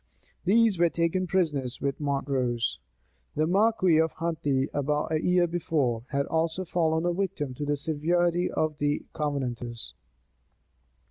These were taken prisoners with Montrose. The marquis of Huntley, about a year before, had also fallen a victim to the severity of the Covenanters.